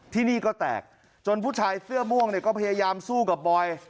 ที่นี่ก็แตกจนผู้ชายเสื้อม่วงเนี่ยก็พยายามสู้กับบอย